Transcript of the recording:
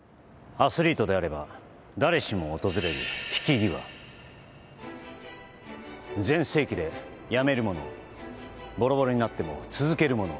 アスリートであれば誰しも訪れる引き際全盛期でやめる者ボロボロになっても続ける者